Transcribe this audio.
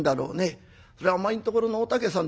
そらお前んところのお竹さん